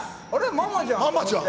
ママじゃんって。